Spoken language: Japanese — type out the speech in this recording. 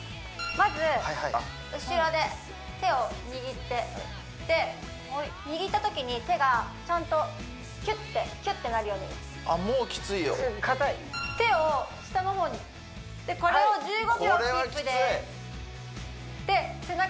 まず後ろで手を握ってで握ったときに手がちゃんときゅってきゅってなるように硬い手を下の方にでこれを１５秒キープです